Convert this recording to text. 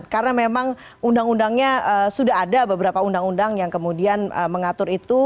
karena memang undang undangnya sudah ada beberapa undang undang yang kemudian mengatur itu